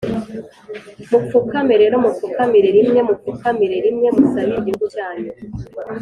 mupfukame rero mupfukamire rimwe, mupfukamire rimwe musabire igihugu cyanyu,